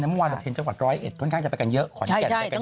เมื่อวานจะเทรนด์จังหวัด๑๐๑ค่อนข้างจะไปกันเยอะขอนแก่ไปกันเยอะแล้ว